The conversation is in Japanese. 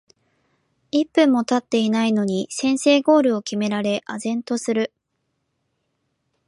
一分もたってないのに先制ゴールを決められ呆然とする